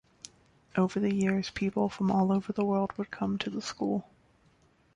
Over the years, people from all over the world would come to the school.